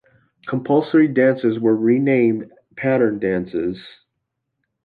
Compulsory dances were renamed "pattern dances".